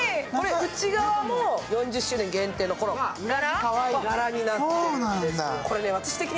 内側も４０周年限定の柄になってるんです。